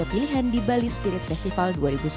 dua pilihan di bali spirit festival dua ribu sembilan belas